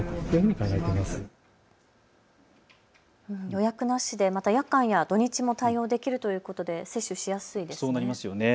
予約なしで、また夜間や土日も対応できるということで接種しやすいですよね。